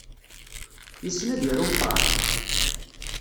Yessen ad yaru meqqar?